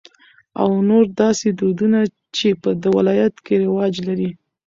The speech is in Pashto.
او نور داسې دودنه چې په د ولايت کې رواج لري.